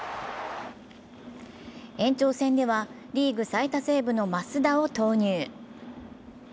延長戦ではリーグ最多セーブの増田を投入。